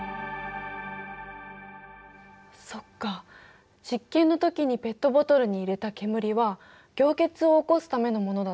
そっか実験の時にペットボトルに入れた煙は凝結を起こすためのものだったんだね。